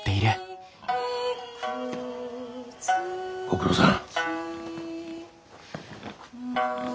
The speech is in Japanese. ご苦労さん。